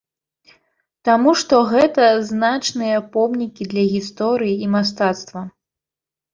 Таму што гэта значныя помнікі для гісторыі і мастацтва.